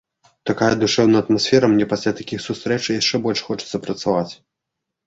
Такая душэўная атмасфера, мне пасля такіх сустрэч яшчэ больш хочацца працаваць.